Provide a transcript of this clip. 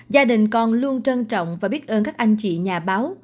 gia đình còn luôn trân trọng và biết ơn các anh chị nhà báo